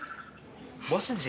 kemudian ke kini saya di